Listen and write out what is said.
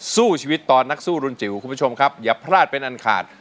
สู้ชีวิตตอนนักสู้รุนจิ๋วคุณผู้ชมครับอย่าพลาดเป็นอันขาด